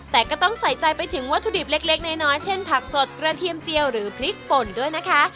แต่ก็ต้องใส่ใจไปถึงวัตถุดิบเล็กน้อยเช่นผักสดกระเทียมเจียวหรือพริกป่นด้วยนะคะ